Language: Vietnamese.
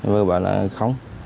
vợ bảo là không